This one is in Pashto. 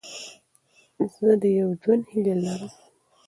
زه د پوره ژوند هیله لرم.